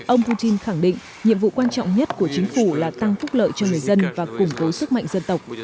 ông putin khẳng định nhiệm vụ quan trọng nhất của chính phủ là tăng phúc lợi cho người dân và củng cố sức mạnh dân tộc